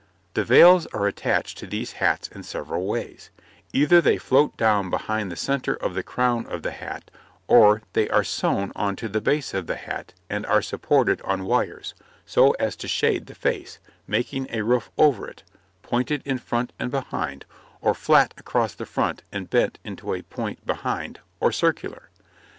The veils are attached to these hats in several ways; either they float down behind from the centre of the crown of the hat, or they are sewn on to the base of the hat, and are supported on wires, so as to shade the face, making a roof over it, pointed in front and behind, or flat across the front and bent into a point behind, or circular.